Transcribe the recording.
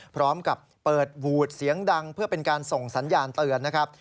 พร้อมกับเปิดวูดเสียงดังเพื่อเป็นการส่งสัญญาณเตือนนะครับ